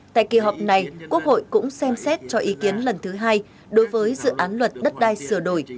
tại kỳ họp này quốc hội cũng xem xét cho ý kiến lần thứ hai đối với dự án luật đất đai sửa đổi